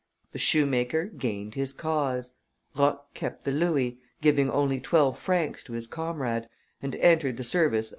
The shoemaker gained his cause. Roch kept the louis, giving only twelve francs to his comrade, and entered the service of M.